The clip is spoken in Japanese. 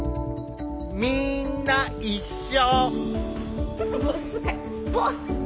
みんな一緒！